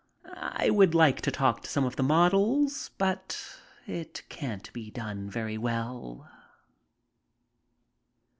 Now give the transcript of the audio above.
I would like to talk to some of the models, but it can't be done very well.